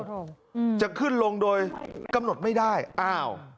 ลงอืมจะขึ้นลงโดยกำหนดไม่ได้อ้าว